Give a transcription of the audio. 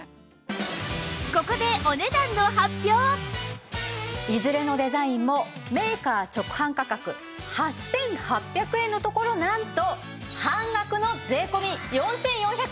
ここでいずれのデザインもメーカー直販価格８８００円のところなんと半額の税込４４００円です。